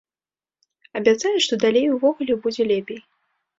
Абяцае, што далей увогуле будзе лепей.